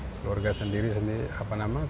keluarga sendiri tidak mendukung istri dan anak anak